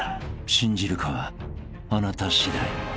［信じるかはあなた次第］